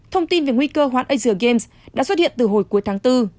thông tin về nguy cơ hoán asian games đã xuất hiện từ hồi cuối tháng bốn